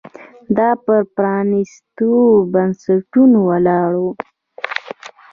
دا پر پرانېستو بنسټونو ولاړ و